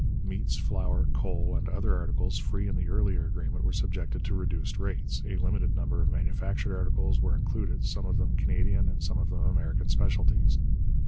Meats, flour, coal and other articles free in the earlier agreement were subjected to reduced rates, a limited number of manufactured articles were included, some of them Canadian and some of them American specialties.